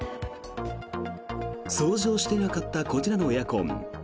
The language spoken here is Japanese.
掃除をしていなかったこちらのエアコン。